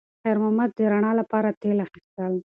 خیر محمد د رڼا لپاره تېل اخیستل.